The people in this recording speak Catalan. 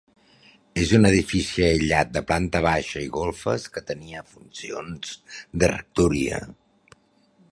És un edifici aïllat de planta baixa i golfes que tenia funcions de rectoria.